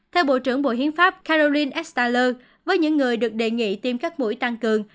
theo bộ trưởng bộ hiến pháp caroline estaler với những người được đề nghị tiêm các mũi tăng cường